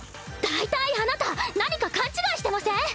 だいたいあなた何か勘違いしてません？